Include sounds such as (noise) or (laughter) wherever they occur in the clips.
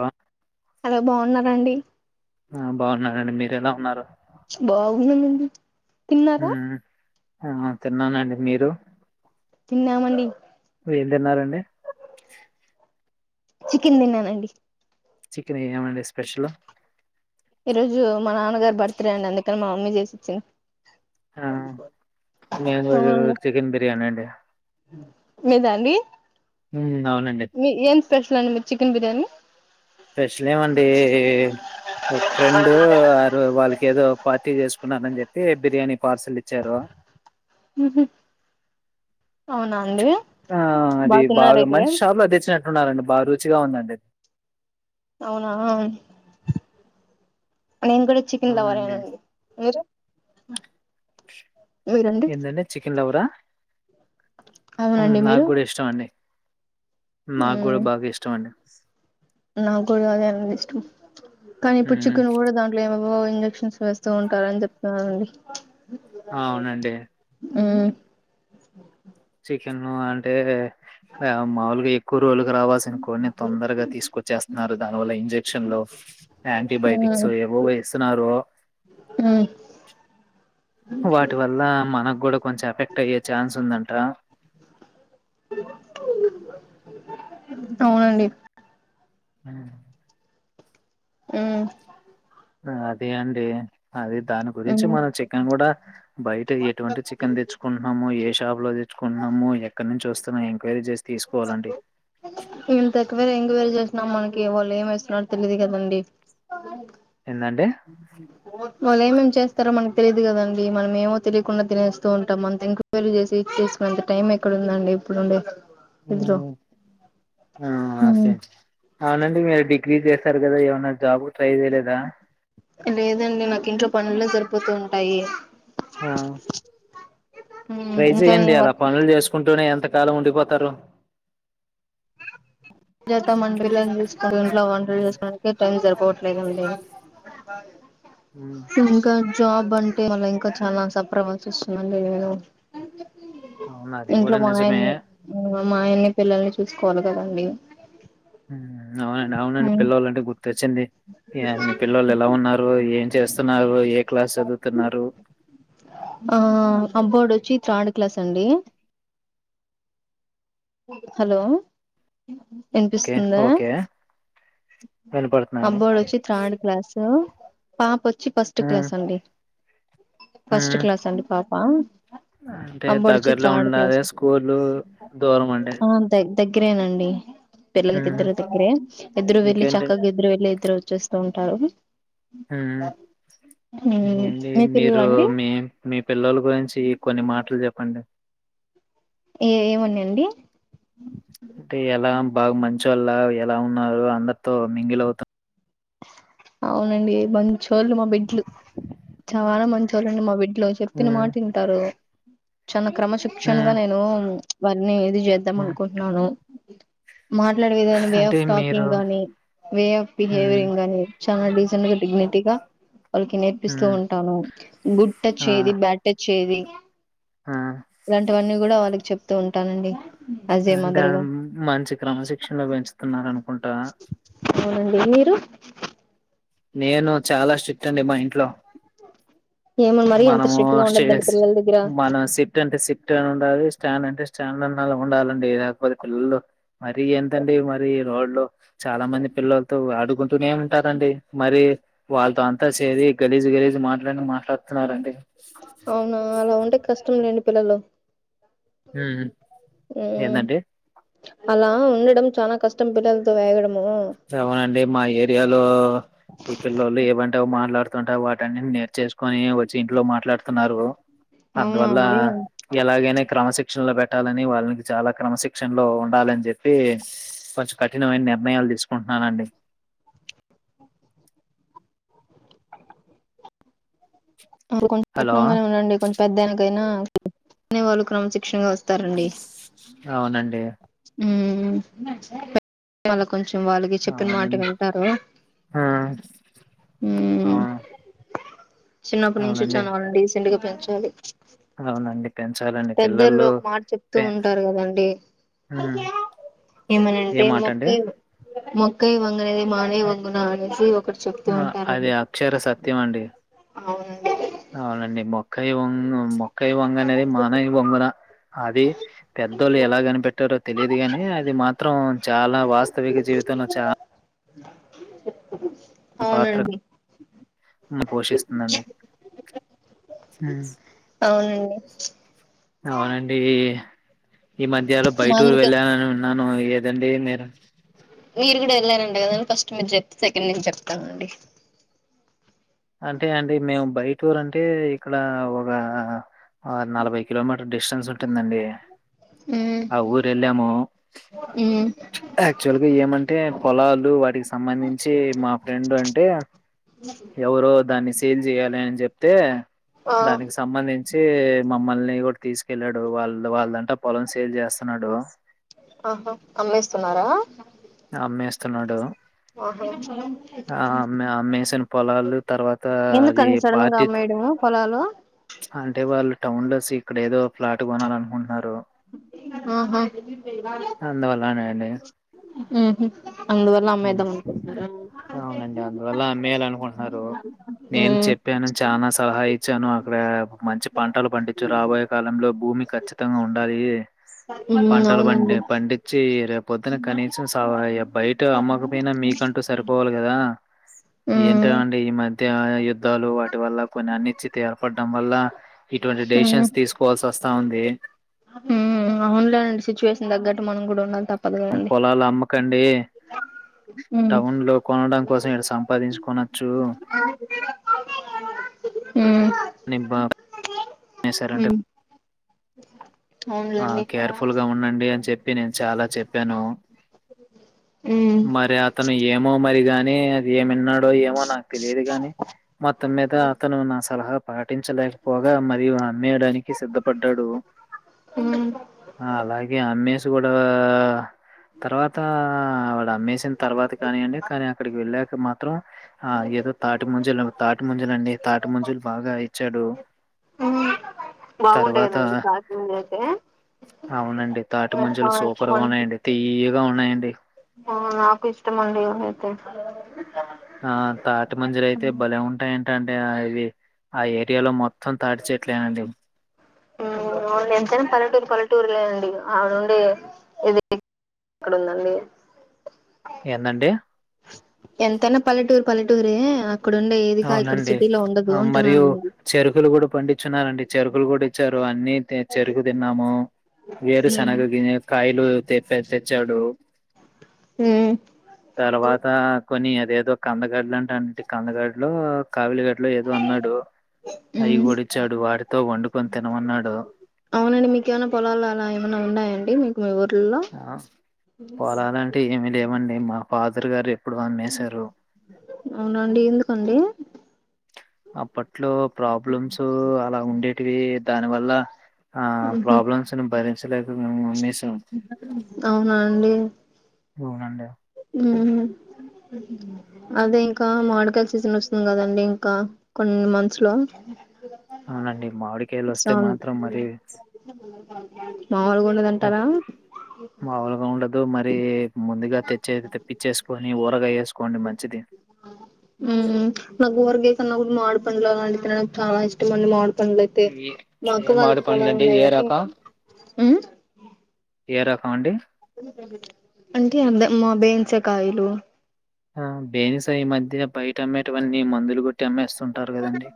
ఆ బాగున్నారండి ఆ బాగున్నానండి మీరెలా ఉన్నారు బాగున్నానండి తిన్నారా మ్మ్. ఆ తిన్నానండి మీరు తిన్నామండి ఏం తిన్నారండి చికెన్ దిన్నానండి చికెన్ ఏమండి స్పెషల్ ఈ రోజు మా నాన్నగారు బర్త్డే అండి అందుకని మా మమ్మీ చేసి చ్చి ఆ నేను కూడా ఈరోజు అవునండి చికెన్ బిర్యానీ అండి మీదా అండి హ్మ్ ఏన్ స్పెషల్ చి చికెన్ బిర్యానీ స్పెషల్ ఏమండి ఫ్రెండ్ ఆరు వాళ్ళకి ఏదో పార్టీ చేసుకున్నారని చెప్ప అయితే బిర్యానీ పార్సల్ ఇచ్చారు ఊహూ అవునా అండి ఆ అది బాగా మంచి షాప్ లో తెచ్చినట్టు అంటున్నారండి బాగా రుచిగా ఉందండిది అవునా నేను కూడా చికెన్ అవునండి లవరేనండి మీరు ఆ ఎందనే చికెన్లవరా ఊ అవునండి నాకు మీరు కూడా ఇష్టం అండి నాకు కూడా బాగా ఇష్టం అండి నా కూడా అదే అండి ఇష్టం కానీ మ్మ్, పుచ్చుకునికూడా దాంట్లో ఏమేమ్ ఓ ఇంజెక్షన్స్ వేస్తూ ఉంటారని చెప్తనారండి అవునండి ఉమ్ చికెన్ అంటే మాములుగా ఎక్కువ రోజులుగా రావాల్సిన కొన్ని తొందరగా తీసుకొచ్చేస్తున్నారు దానివల్ల ఇంజెక్షన్లు యాంటీబయటిక్స్ మ్మ్ ఏవో వేస్తున్నారు మ్మ్ వాటి వల్ల మనకు కూడా కొంచెం ఎఫెక్ట్ అయ్యే ఛాన్స్ ఉందంట అవునండి ఆ ఉమ్ అదే అండి అది దాని గురించి ఉమ్ మనం చికెన్ కూడా బయట ఎటువంటి చికెన్ తెచ్చుకుంటున్నామో ఏ షాప్ లో తెచ్చుకుంటున్నాముో ఎక్కడ నుంచి వస్త్ న యో ఎంక్వైరీ చేస్ ఇంతక్కువేర ఎంక్వేరీ చేసినాం మన్ కే వాల్ ఏంవేస్తున్నారో తెలిదు కదండి ఎందంటే ఓ వాళ్ళు ఎమెమ్ చేస్తారో మనక్ తెలిద్ లీ కదండి మనం ఏమో తెలియకుండా తినేస్తూ ఉంటాం అంత ఇంక్వైరీ చేసి చేసుకునే టైం ఎక్కడుమ్దండి ఇప్పుడుండే సఓ ఇదిలో ఆ ఉమ్ సే అవునండి మీరు డిగ్రీ చేసారు కదా ఏమన్నా జాబ్ ట్రై చేయలేదా లేదండి నాకు ఇంట్లో పనులే సరిపోతుంటాయి ఆ. ఉమ్ ట్రై ఇంకా చేయండి ఏం అలా వర్క్ పనులు చేసుకుంటూనే ఎంత్ ఎంతకాలం ఉండిపోతారు అందుకే టైం సరిపోట్లేదండీ ఉమ్ ఇంకా జాబ్ అంటే వాళ్ళ ఇంకా చాలాసపర్ అవాల్సి వస్తుఉందండి నేను అవును అది ఇంట్లో కూడా నిజమే మానాయ్న్ని మాఆయన్ని పిల్లల్ని చూసుకోవాలి కదండి అవునండి అవునండి ఉమ్ పిల్లలఅంటే గుర్తొచ్చింది మీ పిల్లలుు ఎలా ఉన్నారు ఏం చేస్తున్నారు ఏ క్లాస్ చదువుతున్నారు ఆ అబ్బోడొచ్చి థర్డ్ క్లాస్ అండి హలో ఇ ఓకే వినిపిస్తుందా ఓకే వినపడుతుందండి అబ్బోడు వచ్చి త్రాడ్ క్లాసు పాపొత్ వచ్చి ఫస్ట్ ఉమ్ క్లాస్ అండి. ఫస్ట్ ఉమ్ క్లాస్ అండి పాప్ ప అంటే దగ్గరలో ఉండాదే స్కూలు దూరమండి. ఆది గ్రే నండి. పిల్లలకి ఇద్దరూ దగ్గరే. ఇద్దురూ వెళ్లి ఇంకేంటి చక్కగా ఇద్దరు వెళ్లి, ఇద్దరు వా చేస్తూ ఉంటారు. హ్మ్ ఉమ్ ఏండి మీ మీరు పిల్లలండి మీ మీ పిల్లల గురించి కొన్ని మాటలు చెప్పండి. ఏ ఏమున్నాండి ఇలా ఉన్నారు అందరితో మింగిలవుత్ అవునండి బంచ్ చోళ్లు మా బిడ్లు చాలా మంచ్ స (unintelligible) ట్లో చెప్పిన మాట్ ఉమ్ ఇంటారు. చానా హ్మ్. క్రమశిక్షణగా నేను వన్నేది చేద్దాం హ్మ్. అనుకుంట్నను. మాట్లాడేవిదానం. వే అంటే ఆఫ్ మీరు టాకింగ్ గానీ, వే ఆఫ్ పిల్ హ్మ్. బిహేవిరింగ్ గానీ చాన డీసెంట్ గా, డిగ్నిటీ గా వాళ్ళకి నేర్పిస్తూ హ్మ్. ఉంటాను. గుడ్ టచ్ ఆ! ఏది బ్యాడ్ టచ్ చేది ఆ! ఇలాంటివన్నీ గూడా వల్ కి చెప్తూ ఉంటానండి. అజే అంటే మదర్ గా మంచి క్రమశిక్షన్లో పెంచుతున్నరానుకుంటా. అవునండి మీర్ ఉహ్ నేను చాలా స్ట్రిక్ట్ అండి. మా ఇంట్లో ఏమో మరి అంత మనము స్ట్రిక్ట్ గా ఉండద్దండి స్టేస్ పిల్లల దగ్గర మనం సిట్ అంటే సిట్ గానే ఉండాలి. స్ట్ స్టాండ్ అంటే స్టాండ్ అన్న ఉండాలండి. లేకపోతే పిల్లలు మరి ఎంతండి మరి రోడ్లో చాలా మంది పిల్లల్ తో ఆడుకుంటూనే ఉంటారండి. మరి వాళ్ళతో అంతా సేరి గలీజు, గలీజు మాట్లాన్నీ మాట్లాడుతున్నారండి. అవునా అలా ఉంటే కష్టం లేండి పిల్లలు హ్మ్. హమ్ ఏందండి? అలా ఉండడం చాలా కష్టం పిల్లలతో వేగడం అవునండి మా ఏరియాలో ఈ పిల్లళ్ళు ఏవం టే అవి మాట్లాడుత ట వాటంనిటీని నే చేసుకొని వచ్చి ఇంట్లో మాట్లాడుతున్నారు అవునా అదవల్ అండి ఎలాగేనే క్రమ సిక్ శిక్షణ లో పెట్టాలని వాళ్ళకి చాలా క్రమశిక్షణ లో ఉండాలని చెప్పి కొంచెం కఠినమైన నిర్ణయాలు తీసుకు పహానండి అప్పుడు కొంచం హలో పట్నంగానే ఉండండి కొంచె పెద్దనకైనా అనే వాళ్ళు క్రమశిక్షణగా వస్తారండి అవునండి హమ్ వాళ్ళ కొంచెం వాళ్ళకి చెప్పిన మాట అవునండి వింటారు ఆ అవును చిన్నప్పటి నుంచి చా అవునండి వాళ్ళు రీసెంట్ గా పెంచాలి అవునండి పెంచాలండి పెద్దలు పిల్లలు ఒక మాట చెప్తూ పే ఉంటారు కదండి ఉమ్, ఏ ఏమనంటే మాట మొక్క అండి మొ క్కై వంగనద మానే వంగున అనేసి ఒకటి చెప్తూ అది ఉంటారండి అక్షర సత్యం అండి అవునండి అవునండి మొక్కయిొ కై వంగనే అది మాన వంగనా అది పెద్దోళ్ళు ఎలా కనిపెట్టారో తెలియదు గాని అది మాత్రం చాలా వాస్తవిక జీవితంలో చాలా పాత్ర అవునండి పోషిస్తుందండి అవునండి అవునండి ఈ మధ్య్లో మా బయటూరు అందుకే వెళ్ళలని నను ఏదండి మీరు మీరు కూడా వెళ్ళారంట కదని ఫస్ట్ మీరు చెప్తే సెకండ్ నుంచి చెప్తానండి అంటే అండి మేము బై టూర్ అంటే ఇక్కడ ఒక నలభై కిలోమీటర్ డిస్టెన్స్ ఉంటుందండి ఆ ఊరు వెళ్ళాము మ్మ్ యాక్చువల్గా ఏమంటే పొలాలు వాటికి సంబంధించి మా ఫ్రెండ్ అంటే ఎవరో దాన్ని సీల్ చేయాలి అని చెప్తే ఆ దానికి సంబంధించి మమ్మల్ని తీసుకెళ్ళాడు వాళ్ళు వాళ్ళంటా పొలం సేల్ చేస్తున్నాడు ఆహా అమ్లేస్తున్నారా అమేస్తున్నాడు అమ్మేసిన పొలాలు తర్వాత అది ఎందుకంత సడన్ గా పార్టీ అమ్మేయడం పొలాలు అంటే వాళ్ళు టౌన్ లో ఇక్కడ ఏదో ఫ్లాట్ కొనాల అనుకుంటున్నారు ఆహా అందువల్లనే అండి ఊహు అవునండి అందువల్ల అమ్మేయాల అనుకుంటున్నారు నేను మ్మ్ చెప్పాను చాలా సహా ఇ వచ్చాను అక్కడ మంచి పంటలు పండించు రాబోయే కాలంలో భూమి ఖచ్చితంగా ఉండాలి మ్మ్ పంటలు పండి అవునండి పండించి రేపు పొద్దున కనీసం సవయ బైట్ అమ్మ పోయినా మీకంటూ సరిపోవాలి కదా ఏంట మ్మ్ అండి ఈ మధ్య యుద్ధాలు వాటి వల్ల కొన్ని అన్నిశచిత ఏర్పడడం వల్ల ఇటువంటి మ్మ్ డెసిషన్స్ తీసుకోవాల్సి వస్తా ఉంది అవునులేనండి సిచ్యువేషన్ తగ్గట్టు మనం కూడా ఉండాలి తప్ప పొలాలు అమ్మకండి మ్మ్ టౌన్ లో కొనడం కోసం ఇక్కడ సంపాదించుకనచ్చు ఉమ్ నిబాబ్ ఈ సారుంటే మ్మ్ ఆ అవునులేండి కేర్ఫుల్ గా ఉండండి అని చెప్పి నేను చాలా చెప్పాను మ్మ్ మరి అతను ఏమో మరి ని నేన్ అది ఏమ విన్నాడో ఏమో నాకు తెలియదు గాని మొత్తం మీద అతను నా సలహా పాటించలేకపోగా మరియు అమ్మేయడానికి సిద్ధపడ్డాడు మ్మ్ అలాగే అమ్మే కూడా తర్వాత వాడు అమ్మేసిన తర్వాత కానియండి కానీ అక్కడికి వెళ్ళా కుమ మాం ఆ ఏదో తాటి మంజులు తాటి మంజులు అండి తాటి మంజులు బాగా ఇచ్చాడు బాగుంటాయి తర్వాత కదండి కాశ్మీర్ అయితే అవునండి తాటి నాకు మంజులు చాలా ఇష్టం సూపర్ గా అండి ఉన్నాయండి తీయగా ఉన్నాయండి ంటడి ఆ నాకు ఇష్టమండి అయితే ఆ తాట మంజులయితే భలే ఉంటాయడి ఏంటంటే ఇది ఆ ఏరియాలో మొత్తం తాడిచట్లేనండి వు ఎంతైనా పల్లెటూరు పల్లెటూరులే అండి ఆవిడ నుండిది అక్కడ ఉందండి ఏందండి ఎంతైనా పల్లె ఊరు పలెటూరు అవునండి మరియు అంటున్నానండి చెరుకులు కూడా పండించున్నారండి చెరుకులు కూడా ఇచ్చారు అన్ని చెరుకు తిన్నాము వేరు శనగ కాయలు తెప్పే తెచ్చడు తర్వాత కొని అదేదో కందగడ్డలు అంట అ కందగడ్ లో కావాలి ట్లో ఏదో అన్నాడు అవి ఉమ్ పొడిచ్చాడు వాటితో వండుకొని తినమన్నాడు అవునండి మీకేమైనా పొలాలు అలా ఏమైనా ఉన్నాయండి మీకు మీ ఊర్లలో ఆ పొలాలంటే ఏమి లేవండి మాకు ఫాదర్ గారు ఎప్పుడో అమ్మేశారు అవున అండి ఎందుకండి అప్పట్లో ప్రాబ్లమ్స్ అలా ఉంట ఉండేటివి దాని వల్ల ఆ ప్రాబ్లమ్స్ నీ బరి భరించలేక మేము అమ్మేశం అవునా అండి అవునండి హు అదే ఇంకా మామిడి కాయల సీజన్ వస్తుంది కదండి ఇంకా కొన్ని మంత్స్ లో అవునండి మామిడికాయలు వస్తే సో మాత్రం మరి మాములుగా ఉండదంటారా మామూలగా ఉండదు మరి ముందుగా తెచ్చేది చ్చేసుకొని ఊరగాయ వేసుకోండి మంచిది హు నాకు ఊరగాయ కన్నా మామిడి పండ్లు అలాంటి నాకు చాలా ఇష్టంమండి మామిడి పండ్లు అయితే ఏ మా ఏ అక్క మామిడి వాళ్ళకి పండ్లు పోలాలు అండి ఉన్నాయి ఏ కాని రకం ఏ రకం అండి అంటే అ మా బేనీసాకాయలు ఆ బేనిస ఈ మధ్యన బయట అమ్మెటివన్ని మందులు కొట్టి అమ్మేస్తుంటారు కదండి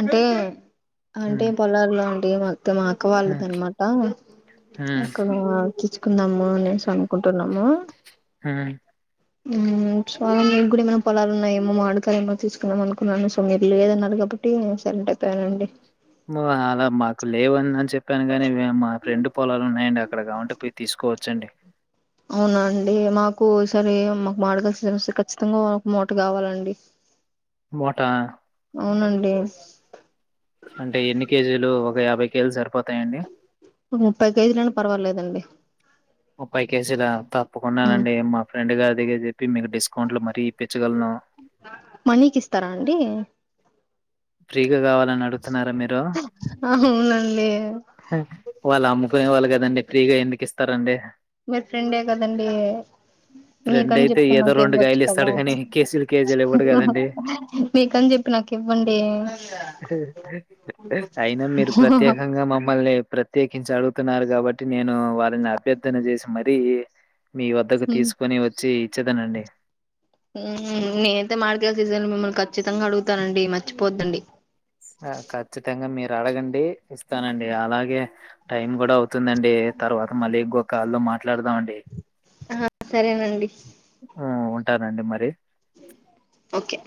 అంటే అంటే ఉమ్, పొలాల్లో అంటే మా మా అక్క వాళ్ళది ఉమ్, అనమాట ఉమ్, అక్కడ తెచ్చుకున్నాం నేసి అనుకుంటున్నాము హు హు సో మి కూడా ఏమైనా పొలాలు ఉన్నా ఏమో మామిడి ఏమో తీసుకున్నాం అనుకున్నాను సో మీరు లేదన్నారు కాబట్టి నేను సైలెంట్ అయిపోయానండి అలా మాకు లేవని అని చెప్పాను కాగానీ మా ఫ్రెండ్ పొలాలు ఉన్నాయండి అక్కడ కావాలంటే పోయి తీసుకోవచ్చండి. అవునా అండి మాకు సరే మాకు మామిడి కాయలు తెస్తే ఖచ్చితంగా మూట కావాలండి. ముఠా అవునండి అంటే ఎన్ని కేజీలు ఒక యాభై కేజీలు సరిపోతాయండి. ముప్పై కేజీలైనా పర్వాలేదండి ముప్పై కేజీలా తప్పకుండా మ్మ్ అండి మా ఫ్రెండ్ గాడికి దగ్గర చెప్పి మీ డిస్ అకౌంట్ లో మరి మనీకి ఇస్తారా అండి. ఫ్రీ పిల్లలు కావాలని అడుతున్నారా అవునండి వాళ్ళ అమ్ము పే వాళ్ళు కదండి ఫ్రీగా ఎందుకు ఇస్తారండి. మీ ఫ్రెండే కదండి ఫ్రెండ్ మీకని అయితే చెప్పి ఏదో నాకు ఇవ్వచ్చు కదా కాయలిస్తాడు గానీ, కేజీలు కేజీలు ఇవ్వడు హా హా గదండీ! మీకని చెప్పి నాకు ఇవ్వండి. అయినా మీరు ప్రత్యేకంగా మమ్మల్ లే ప్రత్యేకించి అడుగుతున్నారు కాబట్టి నేను వల్ న అభ్యర్థన చేసి మరి మీ వద్దకు మ్మ్ తీసుకొని వచ్చి ఇచ్చేదనండి సీజన్లు మిమ్మల్ని ఖచ్చితంగా అడుగుతానండి మర్చిపోద్దండి. స కచ్చితంగా మీరు రాడగండి ఇస్తానండి అలాగే టైమ్ కూడా అవ్ తుందండి తర్వాత మళ్ళీ ఇంకొకాలో మా మాట్లాడదామ అండి. ఆ సరేనండి. ఆ ఉంటానండి మరి ఓకే